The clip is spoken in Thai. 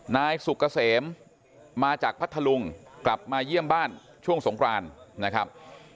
นายสุกเกษมมาจากพัทธลุงกลับมาเยี่ยมบ้านช่วงสงครานนะครับ